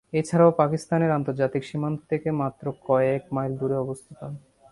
এছাড়াও পাকিস্তানের আন্তর্জাতিক সীমান্ত থেকে মাত্র কয়েক মাইল দুরে অবস্থিত।